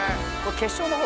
「決勝の方？